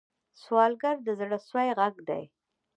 سوالګر د زړه سوې غږ دی